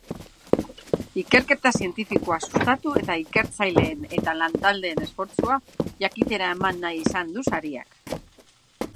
Ikerketa zientifikoa sustatu eta ikertzaileen eta lantaldeen esfortzua jakitera eman nahi du sariak.